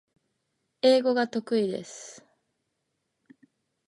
英語が得意です